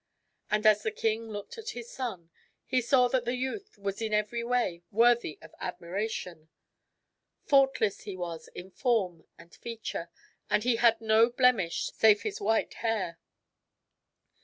And as the king looked at his son, he saw that the youth was in every way worthy of admiration. Faultless he 224 THIRTY MORE FAMOUS STORIES was in form and feature, and he had no blemish save his white hair.